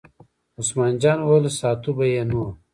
عثمان جان وویل: ساتو به یې نو.